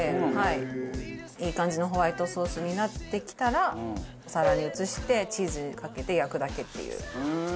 「いい感じのホワイトソースになってきたらお皿に移してチーズかけて焼くだけっていう」